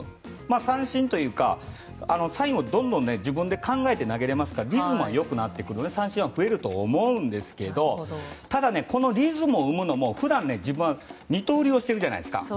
三振というか、サインをどんどん自分で考えて投げられますからリズムが良くなってくると三振が増えると思うんですけどただ、このリズムを生むのも普段、二刀流じゃないですか。